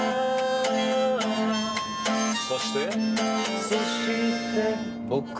「そして」